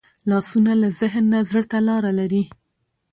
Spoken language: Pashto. لاسونه له ذهن نه زړه ته لاره لري